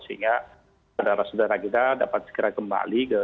sehingga saudara saudara kita dapat segera kembali